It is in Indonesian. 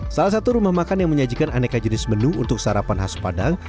salah satu rumah makan yang menyajikan aneka jenis menu untuk sarapan khas padang